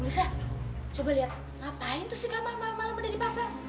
ustadz coba liat ngapain tuh si ngamal malam malam ada di pasar